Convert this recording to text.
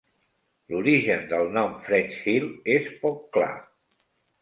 L'origen del nom French Hill és poc clar.